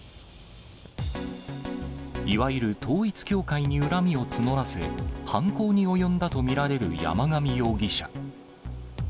いわゆる統一教会に恨みを募らせ、犯行に及んだと見られる山上容疑者。